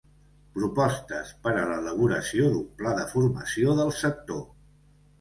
Propostes per a l'elaboració d'un Pla de formació del sector.